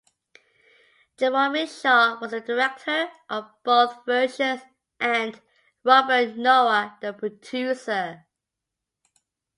Jerome Shaw was the director of both versions, and Robert Noah the producer.